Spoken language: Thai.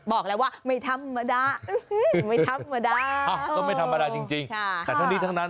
บอกแล้วว่าไม่ธรรมดาไม่ธรรมดาก็ไม่ธรรมดาจริงแต่ทั้งนี้ทั้งนั้น